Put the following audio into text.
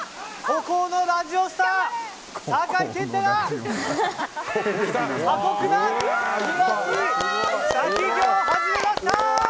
今、孤高のラジオスター酒井健太が過酷な滝行を始めました。